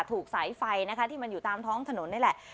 ถูกสายไฟนะคะที่มันอยู่ตามท้องถนนนี่แหละ